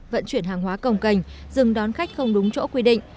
vận chuyển hàng hóa cồng cành dừng đón khách không đúng chỗ quy định